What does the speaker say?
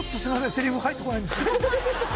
セリフ入ってこないんですけど。